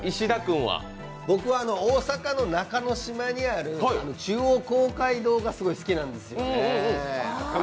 大阪の中之島にある中央公会堂がすごい好きなんですよね。